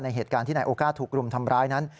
เหตุการณ์ที่นายโอก้าถูกรุมทำร้ายนั้น